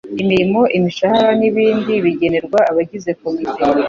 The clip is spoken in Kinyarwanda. imirimo imishahara n ibindi bigenerwa abagize komite